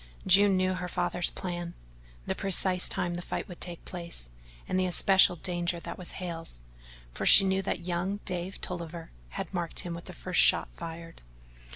June knew her father's plan, the precise time the fight would take place, and the especial danger that was Hale's, for she knew that young Dave Tolliver had marked him with the first shot fired.